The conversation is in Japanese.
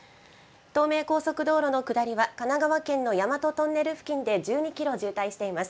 東名高速道路の下りは神奈川県の大和トンネル付近で１２キロ渋滞しています。